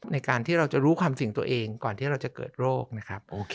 ในการที่เราจะรู้ความเสี่ยงตัวเองก่อนที่เราจะเกิดโรคนะครับ